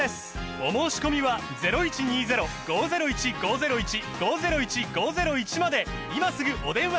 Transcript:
お申込みは今すぐお電話